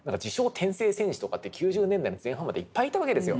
「転生戦士」とかって９０年代の前半までいっぱいいたわけですよ。